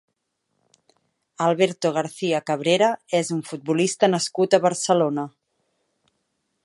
Alberto García Cabrera és un futbolista nascut a Barcelona.